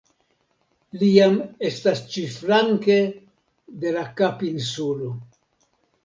Li jam estas ĉi-flanke de la Kapinsulo.